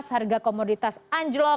harga komoditas anjlok